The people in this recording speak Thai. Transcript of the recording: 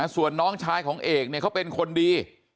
ส่วนน้องชายของเอกเนี่ยเขาเป็นคนดี